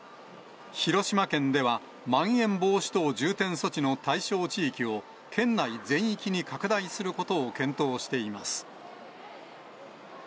広島県では、まん延防止等重点措置の対象地域を、県内全域に拡大することを検討しています。